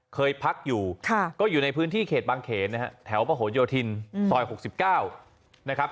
เคยพักอยู่ก็อยู่ในพื้นที่เขตบางเขนนะฮะแถวประหลโยธินซอย๖๙นะครับ